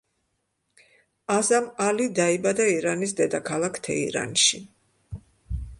აზამ ალი დაიბადა ირანის დედაქალაქ თეირანში.